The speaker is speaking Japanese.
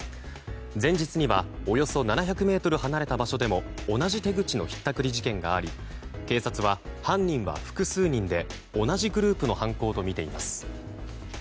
前日にはおよそ７００ｍ離れた場所でも同じ手口のひったくり事件があり警察は犯人は複数人で同じグループの犯行とみています。